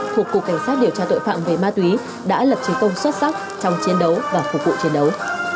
thuộc cục cảnh sát điều tra tội phạm về ma túy đã lập chiến công xuất sắc trong chiến đấu và phục vụ chiến đấu